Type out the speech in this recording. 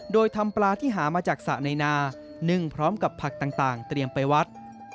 โดยทำปลาที่หามาจากสระในนานึ่งพร้อมกับผักต่างเตรียมไปวัด